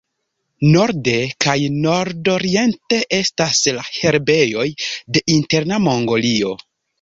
Norde kaj nordoriente estas la herbejoj de Interna Mongolio.